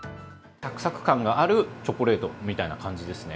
さくさく感があるチョコレートみたいな感じですね。